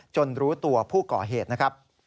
รู้ตัวผู้ก่อเหตุนะครับ